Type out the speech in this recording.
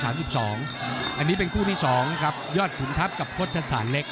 อันนี้เป็นคู่ที่๒ครับยอดขุนทัพกับโฆษศาลเล็ก